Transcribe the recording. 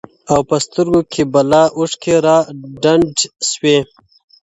او په سترگو کې بلا اوښکي را ډنډ سوې،